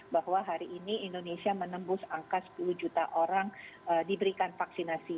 bahwa hari ini indonesia menembus angka sepuluh juta orang diberikan vaksinasi